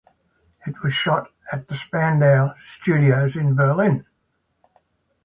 It was shot at the Spandau Studios in Berlin.